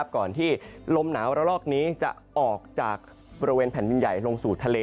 ก่อนที่ลมหนาวระลอกนี้จะออกจากบริเวณแผ่นดินใหญ่ลงสู่ทะเล